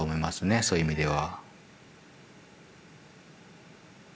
そういう意味では。